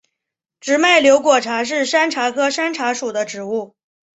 直脉瘤果茶是山茶科山茶属的植物。